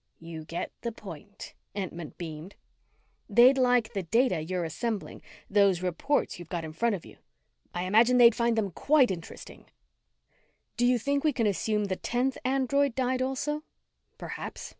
"You get the point," Entman beamed. "They'd like the data you're assembling those reports you've got in front of you." "I imagine they'd find them quite interesting." "Do you think we can assume the tenth android died also?" "Perhaps.